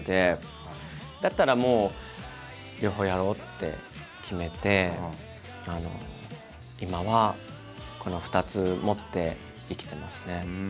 だったらもう両方やろうって決めて今はこの２つ持って生きてますね。